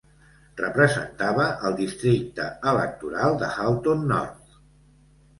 Representava el districte electoral de Halton North.